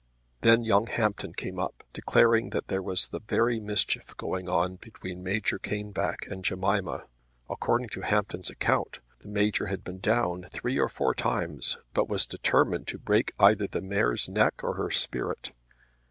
Then young Hampton came up, declaring that there was the very mischief going on between Major Caneback and Jemima. According to Hampton's account, the Major had been down three or four times, but was determined to break either the mare's neck or her spirit.